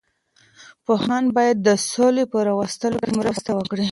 پوهان باید د سولې په راوستلو کې مرسته وکړي.